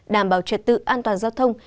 đảm bảo trật tự an toàn giao thông